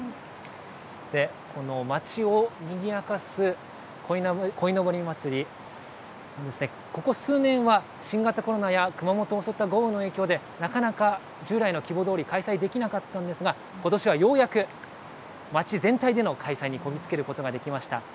この街をにぎやかすこいのぼり祭り、ここ数年は、新型コロナや熊本を襲った豪雨の影響で、なかなか従来の規模どおり開催できなかったんですが、ことしはようやく、街全体での開催にこぎ着けることができました。